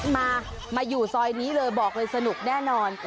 มามาอยู่ซอยนี้เลยบอกเลยสนุกแน่นอน